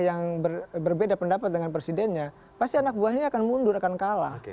yang berbeda pendapat dengan presidennya pasti anak buahnya akan mundur akan kalah